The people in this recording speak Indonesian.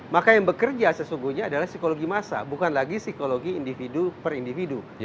maka yang bekerja sesungguhnya adalah psikologi masa bukan lagi psikologi individu per individu